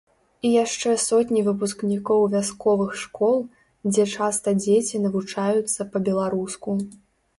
І яшчэ сотні выпускнікоў вясковых школ, дзе часта дзеці навучаюцца па-беларуску.